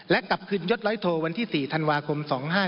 และกลับคืนยดร้อยโทวันที่๔ธันวาคม๒๕๕๙